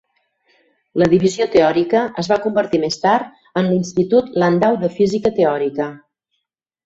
La divisió teòrica es va convertir més tard en l'Institut Landau de Física Teòrica.